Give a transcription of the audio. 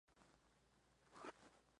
Entonces Emily es enviada al tribunal.